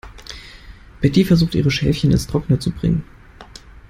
Betty versucht, ihre Schäfchen ins Trockene zu bringen.